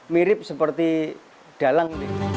mirip seperti dalang